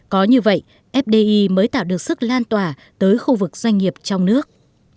có như vậy fdi mới tạo được sức lan tỏa tới khu vực doanh nghiệp trong nước